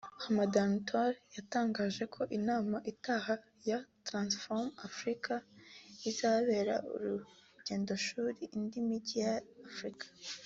Hamadoun Touré yatangaje ko inama itaha ya ‘Transform Africa’ izabera urugendoshuri indi mijyi ya Afurika